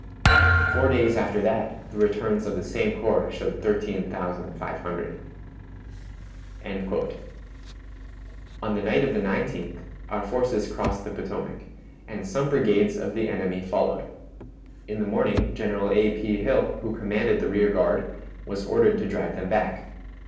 Four days after that, the returns of the same corps showed thirteen thousand five hundred." On the night of the 19th our forces crossed the Potomac, and some brigades of the enemy followed. In the morning General A. P. Hill, who commanded the rear guard, was ordered to drive them back.